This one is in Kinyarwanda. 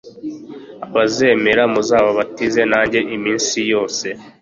abazemera muzababatize, nanjye iminsi yose